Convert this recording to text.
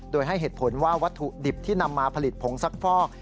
โดยให้เหตุผลว่าวัตถุดิบที่นำมาผลิตผงซักฟอก